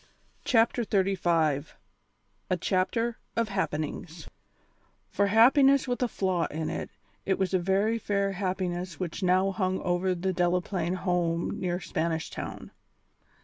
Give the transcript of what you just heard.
CHAPTER XXXV A CHAPTER OF HAPPENINGS For happiness with a flaw in it, it was a very fair happiness which now hung over the Delaplaine home near Spanish Town.